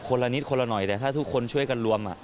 ละนิดคนละหน่อยแต่ถ้าทุกคนช่วยกันรวม